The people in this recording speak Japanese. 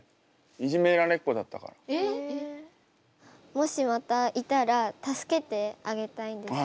もしまたいたら助けてあげたいんですけど。